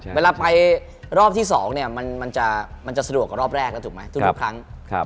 เวลาไปรอบที่๒เนี่ยมันจะสะดวกกว่ารอบแรกแล้วถูกไหมทุกครั้ง